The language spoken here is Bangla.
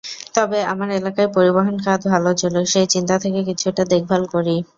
তবে আমার এলাকায় পরিবহন খাত ভালো চলুক—সেই চিন্তা থেকে কিছুটা দেখভাল করি।